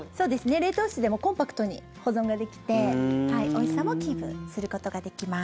冷凍室でもコンパクトに保存ができておいしさもキープすることができます。